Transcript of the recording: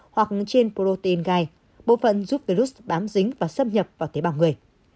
hoặc trên protein gai bộ phận giúp virus bám dính và xâm nhập vào tế bào người